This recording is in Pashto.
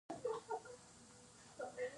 څنګه کولی شم ښه پرزنټیشن جوړ کړم